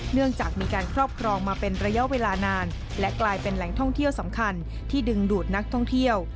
เนื่องจากมีการครอบครองมาเป็นระยะเวลานานและกลายเป็นแหล่งท่องเที่ยวสำคัญที่ดึงดูดนักท่องเที่ยว